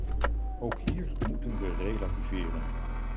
Ook hier moeten we relativeren.